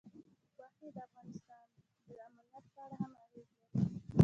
غوښې د افغانستان د امنیت په اړه هم اغېز لري.